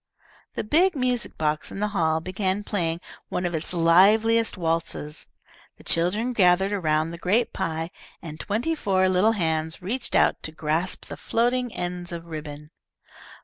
The big music box in the hall began playing one of its liveliest waltzes, the children gathered around the great pie, and twenty four little hands reached out to grasp the floating ends of ribbon.